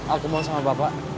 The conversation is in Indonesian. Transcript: aku mau sama bapak